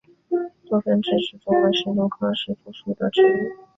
多分枝石竹为石竹科石竹属的植物。